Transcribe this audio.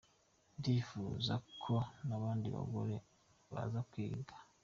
Ndifuza ko n’abandi bagore baza kwiga .